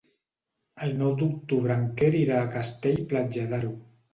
El nou d'octubre en Quer irà a Castell-Platja d'Aro.